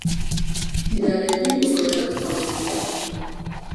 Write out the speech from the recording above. მდინარეები მოკლე და წყალუხვია.